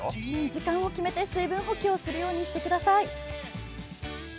時間を決めて水分補給をするようにしてください。